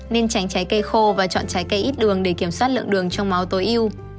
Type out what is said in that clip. nên tránh trái cây khô và chọn trái cây ít đường để kiểm soát lượng đường trong máu tối yêu